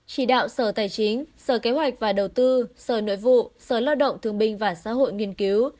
chỉ đạo sở tài chính sở kế hoạch và đầu tư sở nội vụ sở lao động thương minh và xã hội nghiên cứu